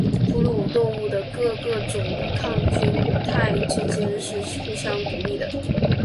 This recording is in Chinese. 哺乳动物的各个种的抗菌肽之间是互相孤立的。